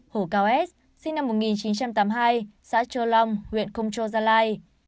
hồ cao s sinh năm một nghìn chín trăm tám mươi hai xã trơ long huyện công châu gia lai